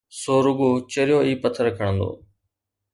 سو رڳو چريو ئي پٿر کڻندو.